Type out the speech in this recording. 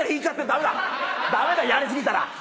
駄目だやり過ぎたら。